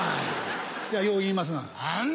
いやよう言いますがな。